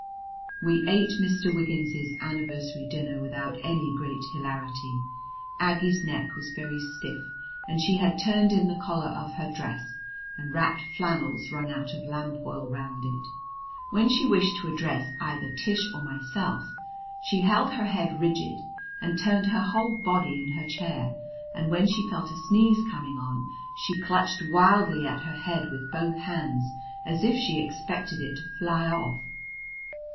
We ate Mr. Wiggins's anniversary dinner without any great hilarity. Aggie's neck was very stiff and she had turned in the collar of her dress and wrapped flannels wrung out of lamp oil round it. When she wished to address either Tish or myself she held her head rigid and turned her whole body in her chair; and when she felt a sneeze coming on she clutched wildly at her head with both hands as if she expected it to fly off.